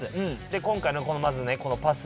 今回のまずねこのパス。